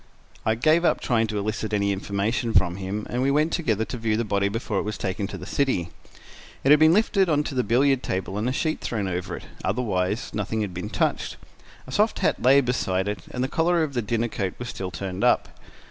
I gave up trying to elicit any information from him, and we went together to view the body before it was taken to the city. It had been lifted on to the billiard table and a sheet thrown over it; otherwise nothing had been touched. A soft hat lay beside it, and the collar of the dinner coat was still turned up.